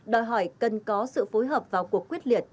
đòi hỏi cần có sự phối hợp vào cuộc quyết liệt